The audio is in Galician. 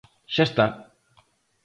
Xa está.